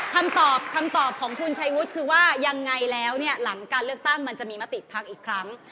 คำตอบคำตอบของคุณชัยวุฒิคือว่ายังไงแล้วเนี่ยหลังการเลือกตั้งมันจะมีมติพักอีกครั้ง